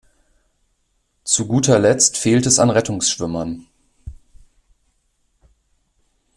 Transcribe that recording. Zu guter Letzt fehlt es an Rettungsschwimmern.